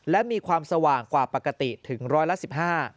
และมีความสว่างกว่าปกติถึงร้อยละสิบห้า